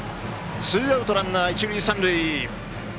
ツーアウト、ランナー、一塁三塁。